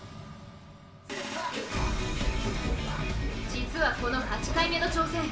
実はこの８回目の挑戦